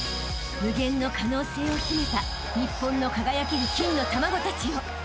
［無限の可能性を秘めた日本の輝ける金の卵たちよ］